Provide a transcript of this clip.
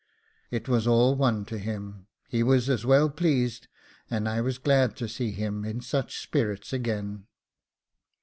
It was all one to him; he was as well pleased, and I was glad to see him in such spirits again.